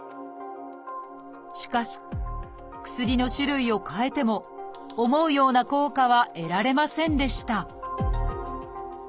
しかし薬の種類をかえても思うような効果は得られませんでした